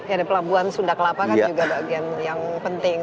ya di pelabuhan sudakalapa kan juga bagian yang penting